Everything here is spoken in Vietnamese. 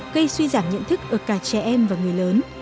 gây suy giảm nhận thức ở cả trẻ em và người lớn